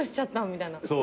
みたいな。